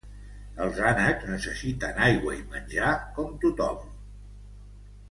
Els ànecs nessessiten aigua i menjar, com tothom.